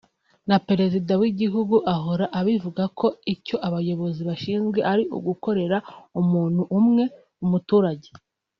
na Perezida w’igihugu ahora abivuga ko icyo abayobozi bashinzwe ari ugukorera umuntu umwe [umuturage]